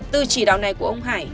từ chỉ đạo này của ông hải